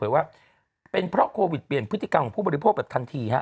ว่าเป็นเพราะโควิดเปลี่ยนพฤติกรรมของผู้บริโภคแบบทันทีฮะ